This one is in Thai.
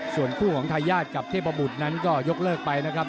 ส่วนคู่ของทายาทกับเทพบุตรนั้นก็ยกเลิกไปนะครับ